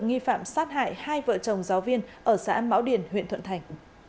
nghi phạm sát hại hai vợ chồng giáo viên ở xã mão điền huyện thuận thành